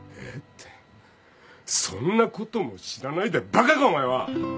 「えっ？」ってそんなことも知らないでバカかお前は。